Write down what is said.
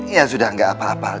ya sudah nggak apa apa